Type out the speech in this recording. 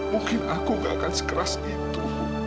mungkin aku gak akan sekeras itu